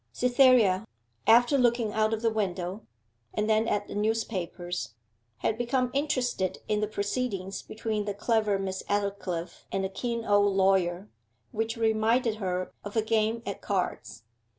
Cytherea, after looking out of the window, and then at the newspapers, had become interested in the proceedings between the clever Miss Aldclyffe and the keen old lawyer, which reminded her of a game at cards.